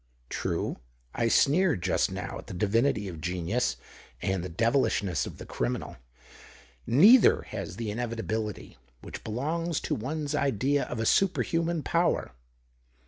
True, I sneered just now at the divinity of genius and the devilishness of the criminal. Neither has the inevitability which belongs to one's idea of a superhuman power.